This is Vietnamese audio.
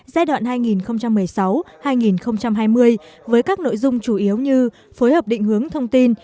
giai đoạn hai nghìn một mươi sáu hai nghìn hai mươi với các nội dung chủ yếu như phối hợp định hướng thông tin